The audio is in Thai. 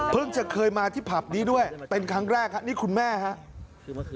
จะเคยมาที่ผับนี้ด้วยเป็นครั้งแรกครับนี่คุณแม่ครับ